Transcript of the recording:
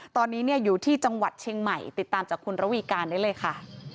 ตอนนี้อยู่ที่จังหวัดเชียงใหม่ติดตามจากคุณระวีการได้เลยค่ะ